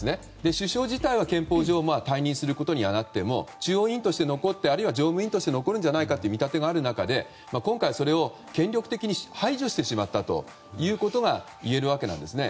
首相自体は憲法上退任することになって中央委員となっても残るんじゃないかという見立てがある中で今回、それを権力的に排除してしまったということがいえるわけなんですね。